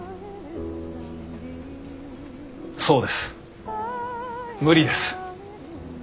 そうです無理です。